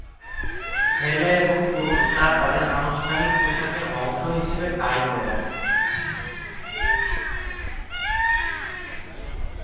ছেলে এবং পুরুষরা তাদের আনুষ্ঠানিক পোশাকের অংশ হিসেবে টাই পরেন।